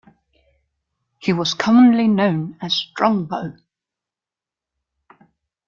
He was commonly known as Strongbow.